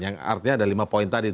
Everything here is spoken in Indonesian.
yang artinya ada lima poin tadi